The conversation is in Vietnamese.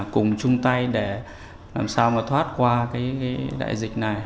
cùng chung tay để làm sao mà thoát qua cái đại dịch này